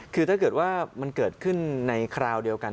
คือถ้าเกิดว่ามันเกิดขึ้นในคราวเดียวกัน